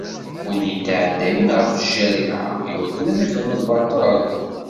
Win yetɛeddayen ɣef ccariɛa iwakken ad ixdem lbaṭel?